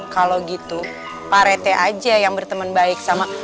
kalau gitu pak rete aja yang berteman baik sama